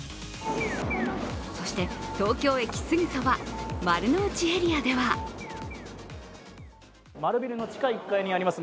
そして、東京駅すぐそば、丸の内エリアでは丸ビルの地下１階にあります